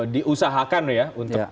diusahakan ya untuk